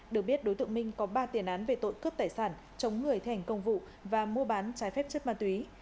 được biết đối tượng minh có ba tiền án về tội cướp tài sản chống người thi hành công vụ và mua bán trái phép chất ma túy